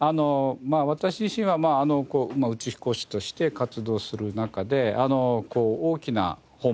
私自身は宇宙飛行士として活動する中で大きな本番ですよね